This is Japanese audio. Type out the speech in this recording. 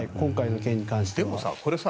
今回の件に関しては。